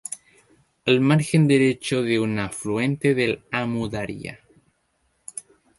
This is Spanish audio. Al margen derecho de un afluente del Amu Daria.